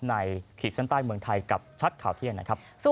ขีดเส้นใต้เมืองไทยกับชัดข่าวเที่ยงนะครับ